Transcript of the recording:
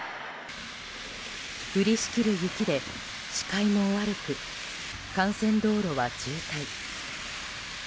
降りしきる雪で視界も悪く幹線道路は渋滞。